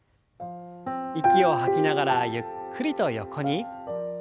息を吐きながらゆっくりと横に。